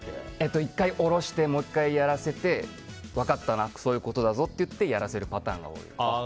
１回降ろしてもう１回やらせて分かったなそういうことだぞって言ってやらせるパターンが多いです。